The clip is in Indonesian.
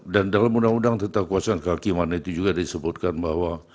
dalam undang undang tentang kekuasaan kehakiman itu juga disebutkan bahwa